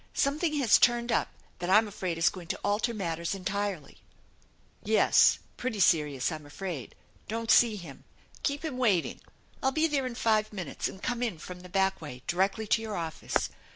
Something has turned 188 THE ENCHANTED BARN up that I'm afraid is going to alter matters entirely. pretty serious, I'm afraid. Don't see him. Keep him waiting. I'll be there in five minutes, and come in from the back way directly to your office.